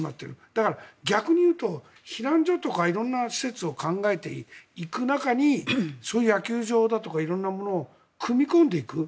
だから、逆に言うと、避難所とか色んな施設を考えていく中にそういう野球場だとか色んなものを組み込んでいく。